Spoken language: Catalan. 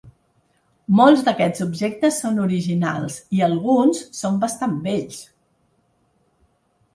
Molts d'aquests objectes són originals i alguns són bastant vells.